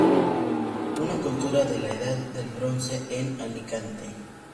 Una Cultura de la Edad del Bronce en Alicante".